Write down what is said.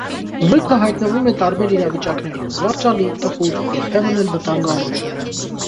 Զույգը հայտնվում է տարբեր իրավիճակներում՝ զվարճալի, տխուր, երբեմն էլ վտանգավոր։